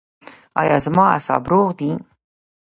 ایا زما اعصاب روغ دي؟